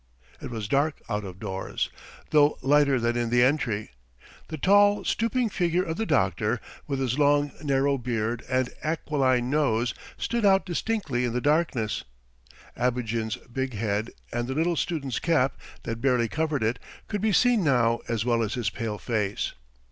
It was dark out of doors, though lighter than in the entry. The tall, stooping figure of the doctor, with his long, narrow beard and aquiline nose, stood out distinctly in the darkness. Abogin's big head and the little student's cap that barely covered it could be seen now as well as his pale face.